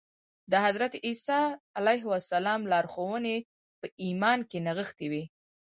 د حضرت عيسی عليه السلام لارښوونې په ايمان کې نغښتې وې.